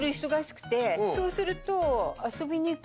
そうすると。